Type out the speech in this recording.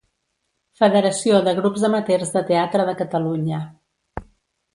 Federació de Grups Amateurs de Teatre de Catalunya.